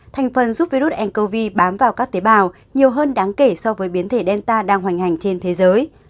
thành phần giúp virus ncov bám vào các tế bào nhiều hơn đáng kể so với biến thể delta đang hoành hành trên thế giới